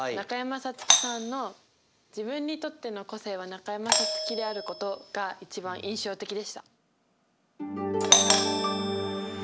咲月さんの「自分にとっての個性は中山咲月であること」が一番印象的でした。